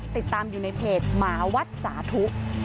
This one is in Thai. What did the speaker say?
ติดตามอยู่ในเพจหมาวัดสาธุ